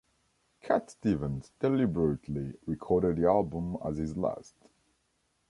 Cat Stevens deliberately recorded the album as his last.